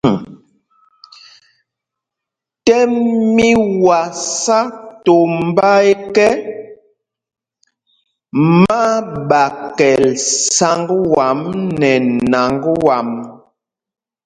Tɛ́m mí wá sá tombá ekɛ, má á ɓaakɛl sǎŋg wǎm nɛ nǎŋg wâm.